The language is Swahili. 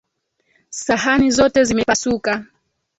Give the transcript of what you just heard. Sahani zote zimepasuka